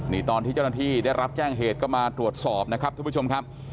นี่ตอนที่เจ้าหน้าที่ได้รับแจ้งเหตุก็มาตรวจสอบนะครับท่านผู้ชมครับ